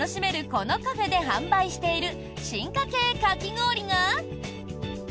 このカフェで販売している進化系かき氷が。